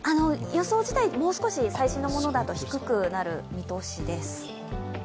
予想自体、最新のものだと低くなる見通しです。